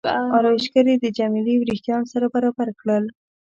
ارایشګرې د جميله وریښتان سره برابر کړل.